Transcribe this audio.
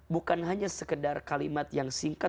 bukan hanya sekedar kalimat yang singkat